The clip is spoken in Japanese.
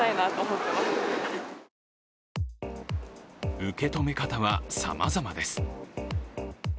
受け止め方はさまざまです。